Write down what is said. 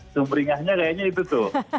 sumber ingatnya kayaknya itu tuh